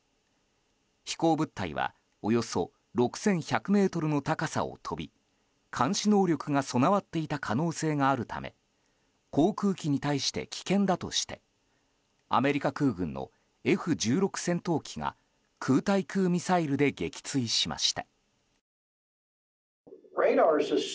飛行物体はおよそ６１００ｍの高さを飛び監視能力が備わっていた可能性があるため航空機に対して危険だとしてアメリカ空軍のＦ１６戦闘機が空対空ミサイルで撃墜しました。